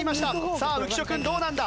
さあ浮所君どうなんだ？